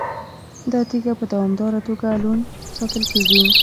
دا تیږه په دوامداره توګه لوند ساتل کیږي.